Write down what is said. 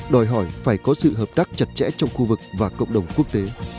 đòi hỏi phải có sự hợp tác chặt chẽ trong khu vực và cộng đồng quốc tế